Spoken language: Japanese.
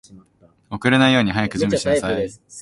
遅れないように早く準備しなさい